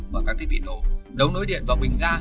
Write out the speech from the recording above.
và các thiết bị nổ đấu nối điện vào bình ga